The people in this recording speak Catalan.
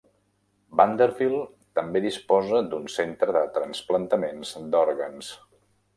Vanderbilt també disposa d'un centre de trasplantaments d'òrgans.